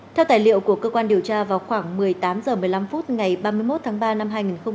theo tài liệu của cơ quan điều tra vào khoảng một mươi tám h một mươi năm phút ngày ba mươi một tháng ba năm hai nghìn hai mươi